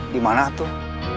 di mana tuh